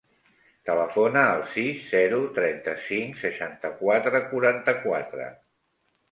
Telefona al sis, zero, trenta-cinc, seixanta-quatre, quaranta-quatre.